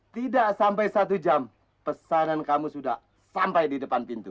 tidak sampai satu jam pesanan kamu sudah sampai di depan pintu